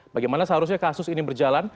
bagaimana seharusnya kasus ini berjalan